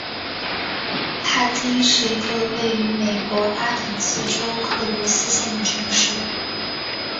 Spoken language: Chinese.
帕金是一个位于美国阿肯色州克罗斯县的城市。